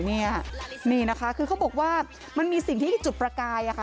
นี่นี่นะคะคือเขาบอกว่ามันมีสิ่งที่จุดประกายอะค่ะ